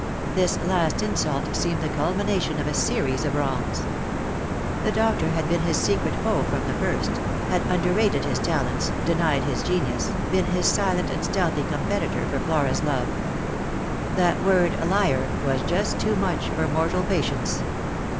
This last insult seemed the culmination of a series of wrongs. The doctor had been his secret foe from the first : had underrated his talents, denied his genius, been his silent and stealthy com petitor for Flora's love. That word " liar " was just too much for mortal patience.